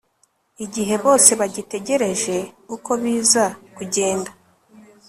igihe bose bagitegereje uko biza kugenda